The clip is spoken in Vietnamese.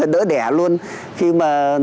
đỡ đẻ luôn khi mà